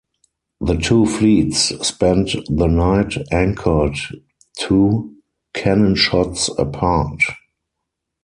The two fleets spent the night anchored two cannonshots apart.